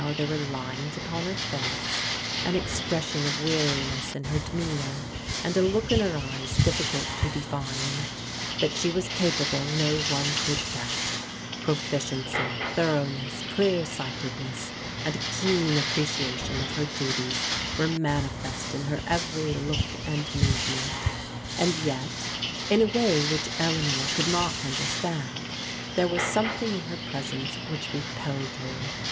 ^42 PBODIQAL DAUQHTEBS were lines tzpon her face, an expression of weariness in her demeanour, and a kxk in her eyes difficult to define. That she was capable no one could doubt Profidencyi thoroughness, clear sightedness and a keen appreciation of her duties were manifest in her every look and move ment ; and yet, in a way which Eleanor could not under stand, there was something in her presence which re pelled her.